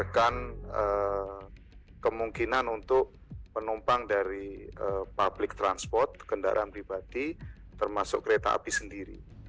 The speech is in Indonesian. akan kemungkinan untuk penumpang dari public transport kendaraan pribadi termasuk kereta api sendiri